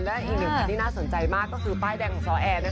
และอีกหนึ่งคันที่น่าสนใจมากก็คือป้ายแดงของซ้อแอร์